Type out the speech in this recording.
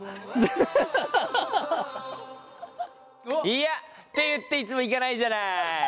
いやって言っていつも行かないじゃない。